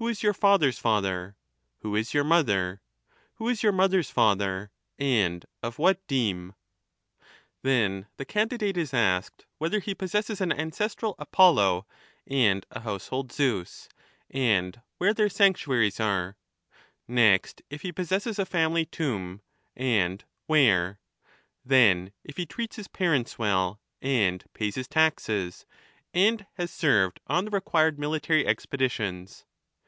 who is your father's father ? who is your mother ? who is your mother's father, and of what deme ?" Then the candidate is asked whether he possesses an ancestral Apollo and a household Zeus, and where their sanctuaries are ; next if he possesses a family tomb, and where ; then if he treats his parents well, and pays his taxes, and has served on the required military expeditions.